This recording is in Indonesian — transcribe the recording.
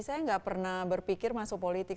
saya nggak pernah berpikir masuk politik